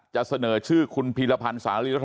จะเสนอชื่อคุณภีรพันธ์สหรัฐธรรมภิพากษ์